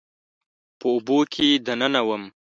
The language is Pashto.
په اوبو کې دننه وم